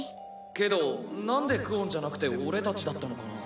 けどなんでクオンじゃなくて俺たちだったのかな？